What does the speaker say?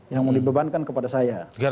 yang mau dibebankan kepada saya